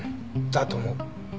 だと思う。